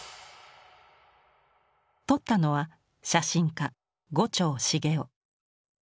撮ったのは写真家牛腸茂雄。